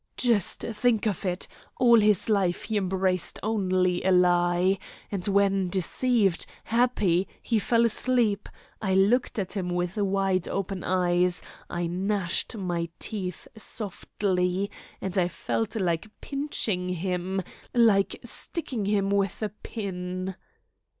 "Just think of it! All his life he embraced only a lie. And when, deceived, happy, he fell asleep, I looked at him with wide open eyes, I gnashed my teeth softly, and I felt like pinching him, like sticking him with a pin."